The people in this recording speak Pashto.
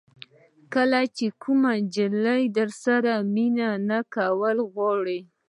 کله چې کومه جلۍ درسره مینه نه کول غواړي.